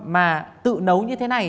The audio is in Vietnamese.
mà tự nấu như thế này